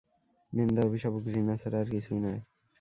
নিন্দা, অভিশাপ ও ঘৃণা ছাড়া আর কিছুই নয়।